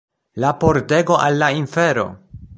La pordego al la infero